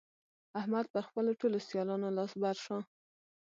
احمد پر خپلو ټولو سيالانو لاس بر شو.